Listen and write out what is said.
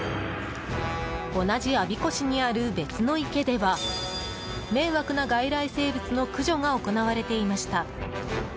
同じ我孫子市にある別の池では迷惑な外来生物の駆除が行われていました。